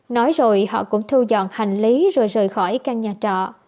nói rồi họ cũng thu dọn hành lý rồi rời khỏi căn nhà trọ